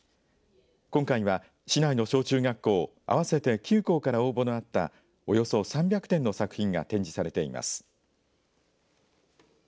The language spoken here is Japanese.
今回は市内の小中学校合わせて９校から応募のあったおよそ３００点の作品が展示されています。